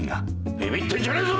ビビってんじゃねえぞ！